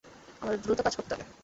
আমাদের দ্রুত কাজ করতে হবে।